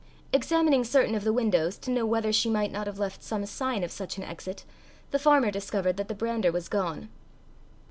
Examining certain of the windows to know whether she might not have left some sign of such an exit, the farmer discovered that the brander was gone.